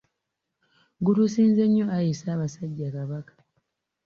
Gutusinze nnyo Ayi Ssaabasajja Kabaka.